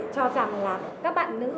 cho rằng là các bạn nữ